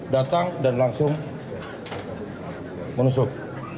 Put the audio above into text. datang dan langsung menusuk